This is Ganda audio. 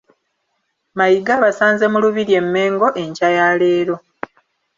Mayiga abasanze mu Lubiri e Mmengo enkya ya leero